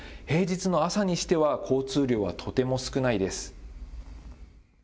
平日の朝にしては交通量はとても少ないです。